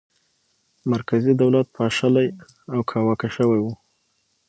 مرکزي دولت پاشلی او کاواکه شوی و.